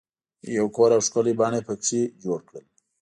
یو کور او ښکلی بڼ یې په کې جوړ کړل.